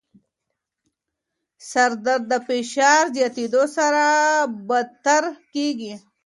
سردرد د فشار زیاتېدو سره بدتر کېږي.